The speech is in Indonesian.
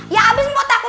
ya abis mpok takut